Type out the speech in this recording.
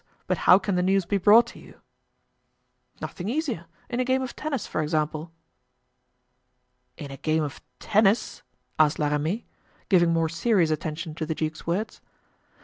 but how can the news be brought to you?" "Nothing easier; in a game of tennis, for example." "In a game of tennis?" asked La Ramee, giving more serious attention to the duke's words.